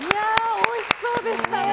おいしそうでしたね。